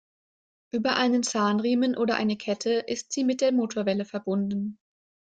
Über einen Zahnriemen oder eine Kette ist sie mit der Motorwelle verbunden.